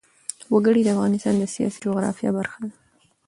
وګړي د افغانستان د سیاسي جغرافیه برخه ده.